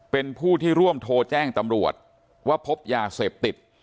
เป็นผู้ที่ร่วมโทรแจ้งตำรวจว่าพบยาเสพติด